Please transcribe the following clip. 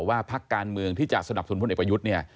ว่าพักการเมืองที่จะสนับสนุนพลเอกรยุทธ์